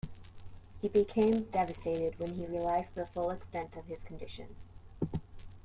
He became devastated when he realised the full extent of his condition.